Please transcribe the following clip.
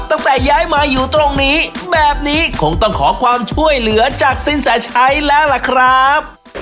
ตั้งแต่ย้ายมาอยู่ตรงนี้แบบนี้คงต้องขอความช่วยเหลือจากสินแสชัยแล้วล่ะครับ